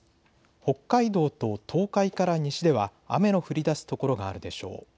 北海道と東海から西では雨の降りだす所があるでしょう。